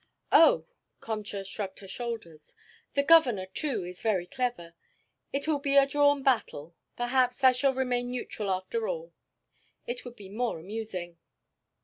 "Oh!" Concha shrugged her shoulders. "The Governor, too, is very clever. It will be a drawn battle. Perhaps I shall remain neutral after all. It would be more amusing."